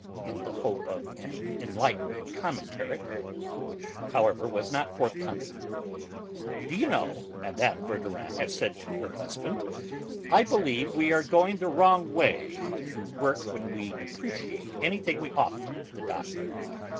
in the hope of an enlightening commentary, which, however, was not forthcoming. "D'you know," Mme. Verdurin had said to her husband, "I believe we are going the wrong way to work when we depreciate anything we offer the Doctor.